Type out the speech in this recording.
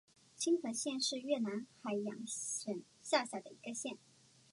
青河县是越南海阳省下辖的一个县。